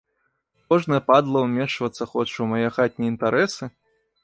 Кожная падла ўмешвацца хоча ў мае хатнія інтарэсы?!